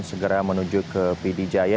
segera menuju ke pd jaya